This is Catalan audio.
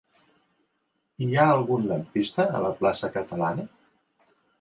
Hi ha algun lampista a la plaça Catalana?